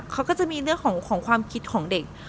เขาก็จะมีเรื่องของความคิดของเด็ก